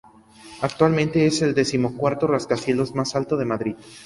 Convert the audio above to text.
Actualmente es el decimocuarto rascacielos más alto de Madrid.